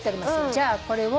じゃあこれを。